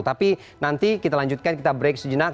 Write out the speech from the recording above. tapi nanti kita lanjutkan kita break sejenak